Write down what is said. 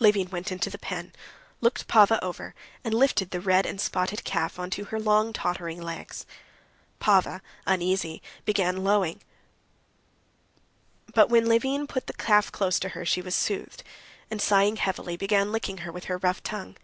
Levin went into the pen, looked Pava over, and lifted the red and spotted calf onto her long, tottering legs. Pava, uneasy, began lowing, but when Levin put the calf close to her she was soothed, and, sighing heavily, began licking her with her rough tongue.